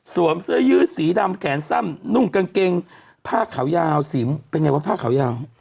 เสื้อยืดสีดำแขนสั้นนุ่งกางเกงผ้าขาวยาวสีมเป็นไงวะผ้าขาวยาว